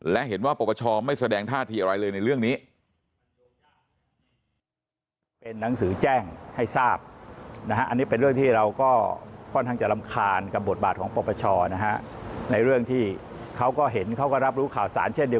และเห็นว่าปปชไม่แสดงท่าทีอะไรเลยในเรื่องนี้